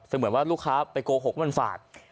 แต่เหมือนว่าลูกค้าไปโกหกมันฝาด